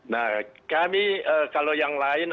nah kami kalau yang lain